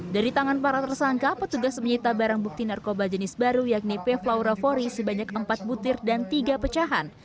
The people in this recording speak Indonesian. dari tangan para tersangka petugas menyita barang bukti narkoba jenis baru yakni p flaura fori sebanyak empat butir dan tiga pecahan